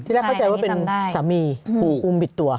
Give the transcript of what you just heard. ที่และเข้าใจว่าเป็นสามีอุ้มบิดตัว